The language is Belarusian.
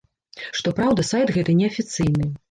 Што праўда, сайт гэты неафіцыйны.